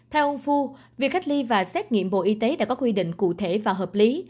theo ông phu việc cách ly và xét nghiệm bộ y tế đã có quy định cụ thể và hợp lý